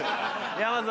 山添。